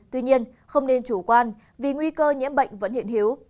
tuy nhiên không nên chủ quan vì nguy cơ nhiễm bệnh vẫn hiện hiếu